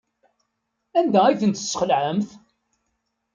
Anda ay ten-tesxelɛemt?